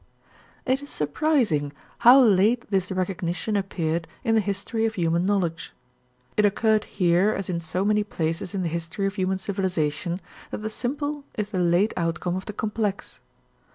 It is surprising how late this recognition appeared in the history of human knowledge. It occurred here as in so many places in the history of human civilization that the simple is the late outcome of the complex.